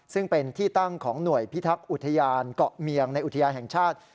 ซึ่งเป็นที่ตั้งของหน่วยพิทักษ์อุทยานเกาะเมียงในอุทยานแห่งชาติ